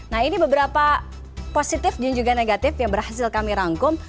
nah ini beberapa positif dan juga negatif yang berhasil kami rangkum